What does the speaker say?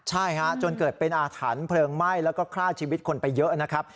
ใช่ฮะจนเกิดเป็นอาถรรพ์เพลิงไหม้แล้วก็ฆ่าชีวิตคนไปเยอะนะครับ